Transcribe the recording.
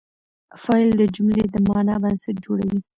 فاعل د جملې د معنی بنسټ جوړوي.